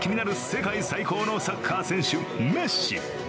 世界最高のサッカー選手、メッシ。